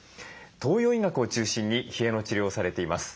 東洋医学を中心に冷えの治療をされています